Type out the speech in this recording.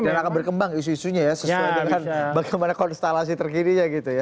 dan akan berkembang isu isunya ya sesuai dengan bagaimana konstelasi terkininya gitu ya